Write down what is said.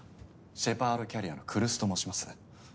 シェパードキャリアの来栖と申します。